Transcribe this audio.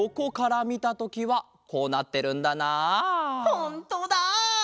ほんとだ！